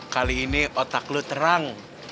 kali ini otak lo terang